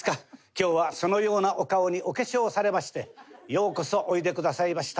今日はそのようなお顔にお化粧をされましてようこそおいでくださいました。